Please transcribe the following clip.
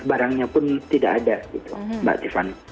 barangnya pun tidak ada gitu mbak tiffany